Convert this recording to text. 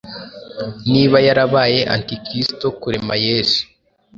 Niba yarabaye Antikristo, Kurema Yesu,